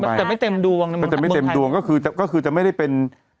แต่ไม่เต็มดวงแต่ไม่เต็มดวงก็คือจะไม่ได้เป็น